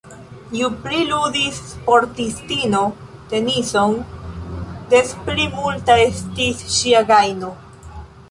Ju pli ludis sportistino tenison, des pli multa estis ŝia gajno.